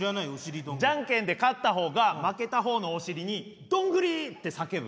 じゃんけんで勝った方が負けた方のお尻に「どんぐり！」って叫ぶ。